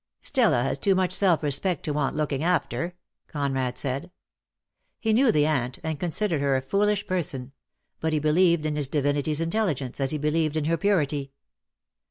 "Stella has too much self respect to want looking after," Conrad said. He knew the aunt, and considered her a foolish person; but he believed in his divinity's intelligence, as he believed in her purity.